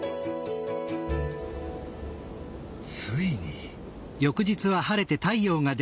ついに。